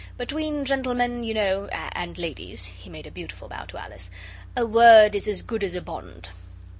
Between gentlemen, you know and ladies' he made a beautiful bow to Alice 'a word is as good as a bond.